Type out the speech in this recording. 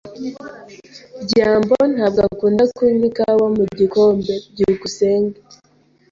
byambo ntabwo akunda kunywa ikawa mu gikombe. byukusenge